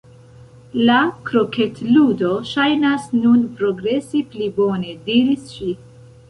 "La kroketludo ŝajnas nun progresi pli bone," diris ŝi.